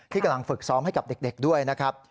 กำลังฝึกซ้อมให้กับเด็กด้วยนะครับ